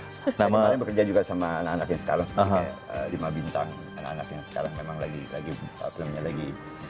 jadi makanya bekerja juga sama anak anak yang sekarang lima bintang anak anak yang sekarang memang lagi aku namanya lagi